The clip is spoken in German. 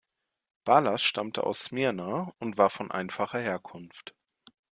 Balas stammte aus Smyrna und war von einfacher Herkunft.